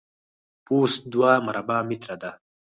پوست دوه مربع متره ده.